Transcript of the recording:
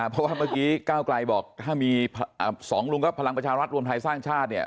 เพราะว่าเมื่อกี้ก้าวไกลบอกถ้ามีสองลุงก็พลังประชารัฐรวมไทยสร้างชาติเนี่ย